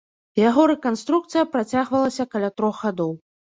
Яго рэканструкцыя працягвалася каля трох гадоў.